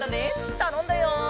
たのんだよ。